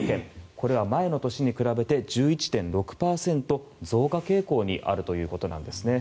これは前の年に比べて１１．６％増加傾向にあるということです。